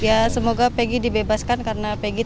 ya semoga peggy dibebaskan karena peggy tidak